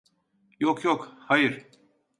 Yok, yok, hayır.